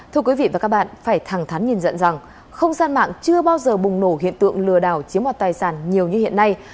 thưa quý vị và các bạn phải thẳng thắn nhìn nhận rằng không gian mạng chưa bao giờ bùng nổ hiện tượng lừa đảo chiếm hoạt tài sản nhiều như hiện nay